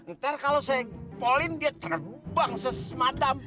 ntar kalau saya polin dia terbang sesemadam